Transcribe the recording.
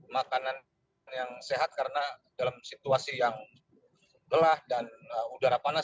makanan yang sehat karena dalam situasi yang lelah dan udara panas